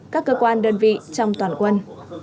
các cơ quan đơn vị trong toàn quân